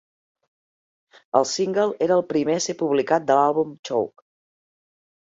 El single era el primer a ser publicat de l'àlbum "Choke".